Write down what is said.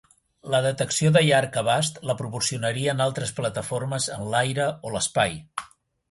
La detecció de llarg abast la proporcionarien altres plataformes en l'aire o l'espai.